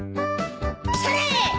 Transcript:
それ！